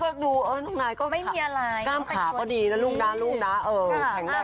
ก็พอบอกเมื่อกี๊ก็ดูน้องนายก็กล้ามขาก็ดีแล้วลูกน้าแข็งแรงมาก